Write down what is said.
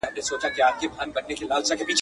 بوډا سوم لا تر اوسه په سِر نه یم پوهېدلی.